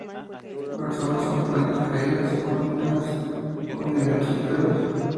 Las hojas son planas, caídas son ásperas con diminutos pelos.